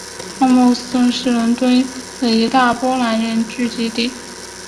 汉默史密斯是伦敦的一大波兰人聚居地。